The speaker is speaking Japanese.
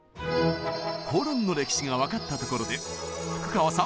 ホルンの歴史が分かったところで福川さん！